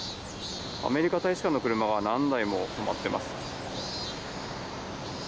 アメリカ大使館の車が何台も止まっています。